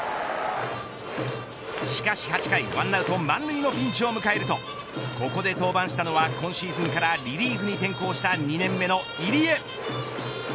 しかし８回１アウト満塁のピンチを迎えるとここで登板したのは今シーズンからリリーフに転向した２年目の入江。